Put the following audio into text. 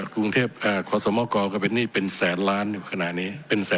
กรุงเทพความสมัครกรกฎก็เป็นนี่เป็นแสนล้านอยู่ขนาดนี้